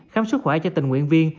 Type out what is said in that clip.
khám sức khỏe cho tình nguyện viên